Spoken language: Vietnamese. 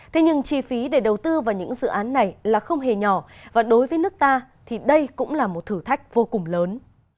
thế nhưng chi phí để đầu tư vào những dự án này là không hề nhỏ và đối với nước ta thì đây cũng là một thử thách vô cùng lớn